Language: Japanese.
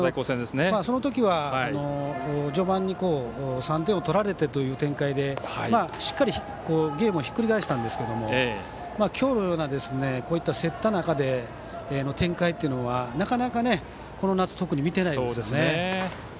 そのときは、序盤に３点を取られてという展開でしっかりゲームをひっくり返したんですが今日のような競った中での展開というのはなかなか、この夏特に見てないですね。